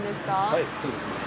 はい、そうですね。